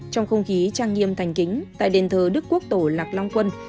trong không khí trang nghiêm thành kính tại đền thờ đức quốc tổ lạc long quân